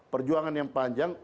perjuangan yang panjang